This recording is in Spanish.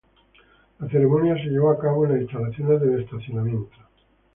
La ceremonia se llevó a cabo en las instalaciones del estacionamiento.